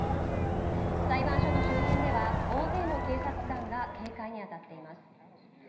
裁判所の周辺では大勢の警察官が警戒に当たっています。